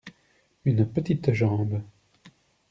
Une petite jambe.